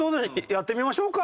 やってみましょうか！